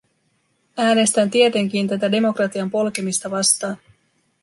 Äänestän tietenkin tätä demokratian polkemista vastaan.